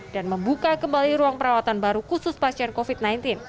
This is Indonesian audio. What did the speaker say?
membuka kembali ruang perawatan baru khusus pasien covid sembilan belas